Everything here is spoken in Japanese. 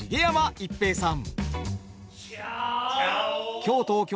逸平さん。